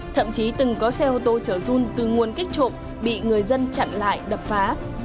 thậm chí từng có xe ô tô chở run từ nguồn kích trộm bị người dân chặn lại đập phá